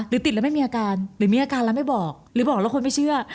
ติดแล้วไม่มีอาการหรือมีอาการแล้วไม่บอกหรือบอกแล้วคนไม่เชื่อ